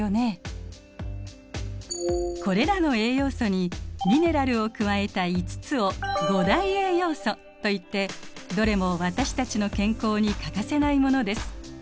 これらの栄養素にミネラルを加えた５つを五大栄養素といってどれも私たちの健康に欠かせないものです。